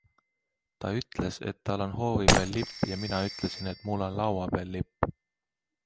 Ta ütles, et tal on hoovi peal lipp, ja mina ütlesin, et mul on laua peal lipp.